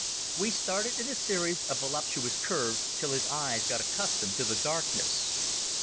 We started in a series of voluptuous curves, till his eyes got accustomed to the darkness.